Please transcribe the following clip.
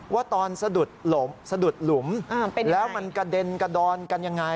ว่าตอนสะดุดหลุมแล้วมันกระเด็นกระดอนกันยังไง